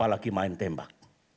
apalagi main tembak